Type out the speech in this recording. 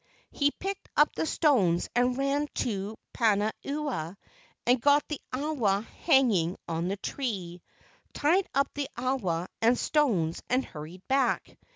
He picked up the stones and ran to Pana ewa and got the awa hanging on the tree, tied up the awa and stones and hurried back.